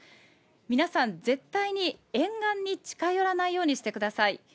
皆さん絶対に沿岸に近寄らないようにしてください。